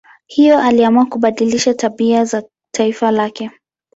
Hivyo aliamua kubadilisha tabia za taifa lake.